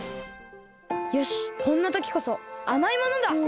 よしこんなときこそあまいものだ！